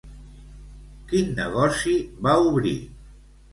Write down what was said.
Quin negoci va obrir?